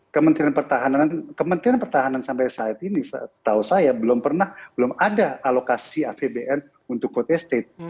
kementrian pertahanan sampai saat ini setahu saya belum pernah belum ada alokasi apbn untuk putus state